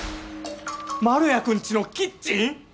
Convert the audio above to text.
丸谷くんちのキッチン！？